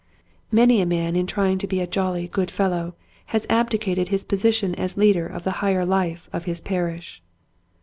Many a man in trying to be a jolly, good fellow has abdicated his position as leader of the higher life of his parish.